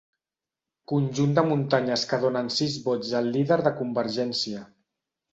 Conjunt de muntanyes que donen sis vots al líder de Convergència.